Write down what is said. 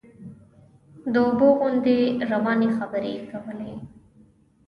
د اوبو غوندې روانې خبرې یې کولې.